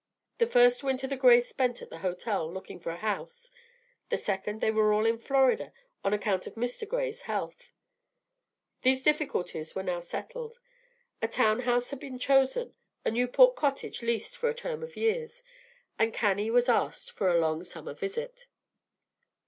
The first winter the Grays spent at a hotel looking for a house; the second, they were all in Florida on account of Mr. Gray's health. These difficulties were now settled. A town house had been chosen, a Newport cottage leased for a term of years, and Cannie was asked for a long summer visit.